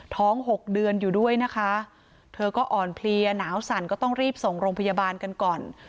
หกเดือนอยู่ด้วยนะคะเธอก็อ่อนเพลียหนาวสั่นก็ต้องรีบส่งโรงพยาบาลกันก่อน